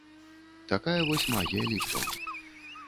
Такая вось магія лічбаў.